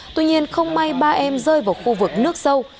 tuy nhiên không may ba em rơi vào khu vực nước sâu